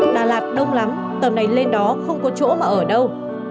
đà lạt đông lắm tàu này lên đó không có chỗ mà ở đâu